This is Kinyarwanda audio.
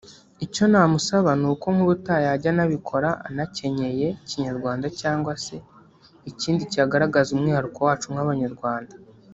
Icyo namusaba ni uko nk’ubutaha yajya anabikora anakenyeye Kinyarwanda cyangwa se ikindi cyagaragaza umwihariko wacu nk’Abanyarwanda